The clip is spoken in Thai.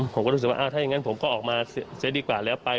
ผมก็รู้สึกว่าถ้าอย่างนั้นผมก็ออกมาเสียดีกว่าแล้วไป